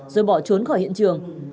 rồi bỏ trốn khỏi hiện trường